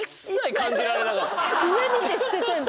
上見て捨ててんの。